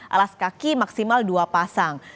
alas kaki maksimal dua pasang